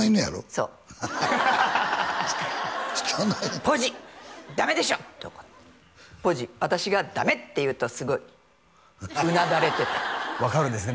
そう人の犬「ポジ！ダメでしょ！」って怒ってポジ私が「ダメ！」って言うとすごいうなだれてた分かるんですね